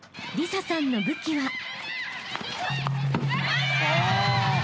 ［里紗さんの武器は］